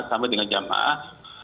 sama dengan jamaah